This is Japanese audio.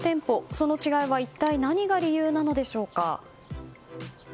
その違いは一体何が理由なのでしょうか。